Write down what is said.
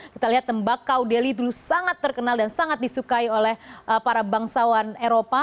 kita lihat tembakau deli dulu sangat terkenal dan sangat disukai oleh para bangsawan eropa